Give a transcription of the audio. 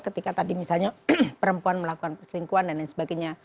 ketika tadi misalnya perempuan melakukan perselingkuhan dan lain sebagainya